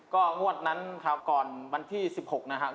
ก็งวดนั้นคราวก่อนวันที่๑๖นะครับ